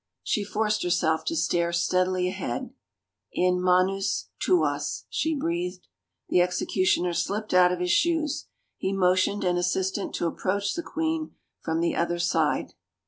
She forced herself to stare steadily ahead. " In menus tuas," she breathed. The executioner slipped out of his shoes. He mo tioned an assistant to approach the queen from the other side.